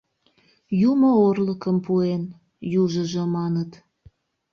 Юмо орлыкым пуэн, — южыжо маныт.